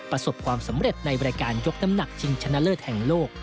ประสบความสำเร็จในรายการยกน้ำหนักชิงชนะเลิศแห่งโลก